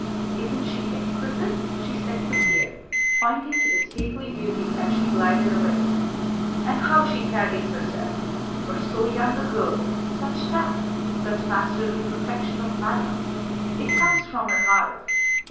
"Isn't she exquisite?" she said to Pierre, pointing to the stately beauty as she glided away. "And how she carries herself! For so young a girl, such tact, such masterly perfection of manner! It comes from her heart.